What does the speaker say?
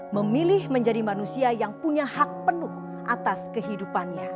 memilih menjadi manusia yang punya hak penuh atas kehidupannya